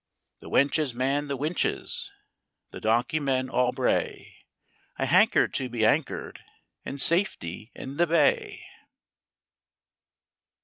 "The wenches man the winches, The donkey men all bray "... I hankered to be anchored In safety in the bay!